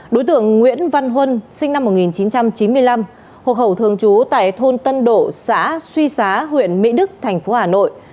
đối tượng nguyễn văn huân sinh năm một nghìn chín trăm chín mươi năm hộ khẩu thường trú tại thôn tân độ xã suy xá huyện mỹ đức thành phố hà nội